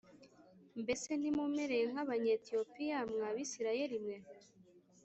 “Mbese ntimumereye nk’Abanyetiyopiya, mwa Bisirayeli mwe?